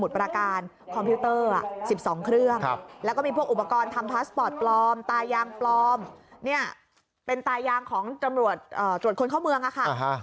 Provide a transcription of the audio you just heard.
เป็นตายางของตำรวจคนเข้าเมืองค่ะ